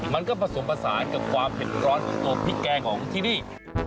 มันก็ผสมผสานกับความเผ็ดร้อนของตัวพริกแกงของที่นี่